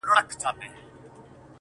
اوس كرۍ ورځ زه شاعري كومه!